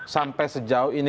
sampai sejauh ini